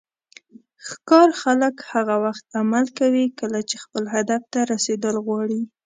ښکار خلک هغه وخت عمل کوي کله چې خپل هدف ته رسیدل غواړي.